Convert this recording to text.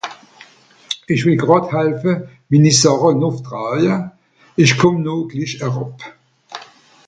Ìch wìll gràd helfe, mini Sàche nùff traawe, ìch kùmm no glich eràb.